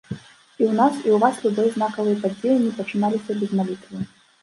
І ў нас, і ў вас любыя знакавыя падзеі не пачыналіся без малітвы.